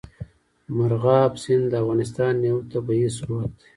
مورغاب سیند د افغانستان یو طبعي ثروت دی.